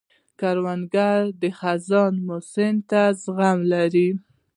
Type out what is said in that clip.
کروندګر د خزان موسم ته زغم لري